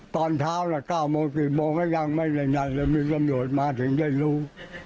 ตอนเช้านะ๙โมง๑๐โมงก็ยังไม่ได้นั่งแต่มีสมโยชน์มาถึงได้รู้